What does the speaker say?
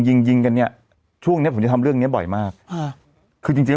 ยิงยิงกันเนี้ยช่วงเนี้ยผมจะทำเรื่องเนี้ยบ่อยมากค่ะคือจริงจริง